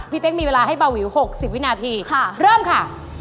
เป๊กมีเวลาให้เบาวิว๖๐วินาทีเริ่มค่ะ